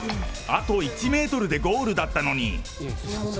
あと１メートルでゴールだったのに。